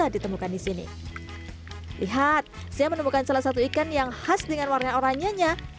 dengan warna oraninya